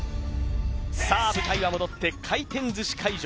さあ舞台は戻って回転寿司会場